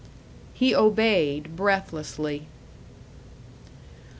He obeyed breathlessly.